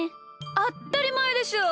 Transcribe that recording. あったりまえでしょう。